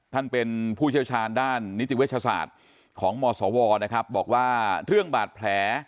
ท่านเป็นผู้เชี่ยวชาญด้านนิติวิทยาศาสตร์ของหมอสวบอกว่าเรื่องบาดแผล